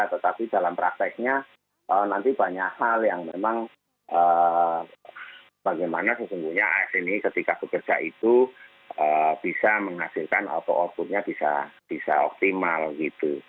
tetapi dalam prakteknya nanti banyak hal yang memang bagaimana sesungguhnya as ini ketika bekerja itu bisa menghasilkan atau outputnya bisa optimal gitu